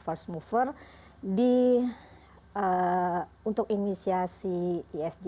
first mover di untuk inisiasi isg